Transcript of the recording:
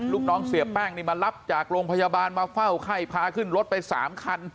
ลูกน้องเสียแป้งนี่มารับจากโรงพยาบาลมาเฝ้าไข้พาขึ้นรถไป๓คัน